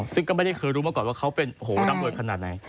ซึ่งก็ไม่ได้คือรู้มาก่อนว่าเขาเป็นดำเนิดขนาดไหน